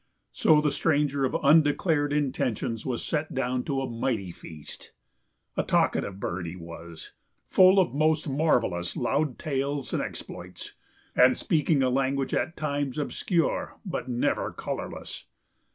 So the stranger of undeclared intentions was set down to a mighty feast. A talkative bird he was, full of most marvellous loud tales and exploits, and speaking a language at times obscure but never colourless.